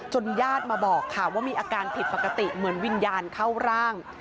ญาติมาบอกค่ะว่ามีอาการผิดปกติเหมือนวิญญาณเข้าร่าง